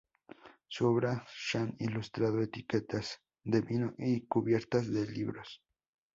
Sus obra shan ilustrado etiquetas de vino y cubiertas de libros.